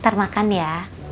ntar makan ya